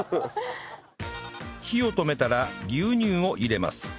火を止めたら牛乳を入れます